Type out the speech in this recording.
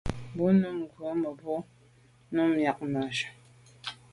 Bo num ngù mebwô num miag mage.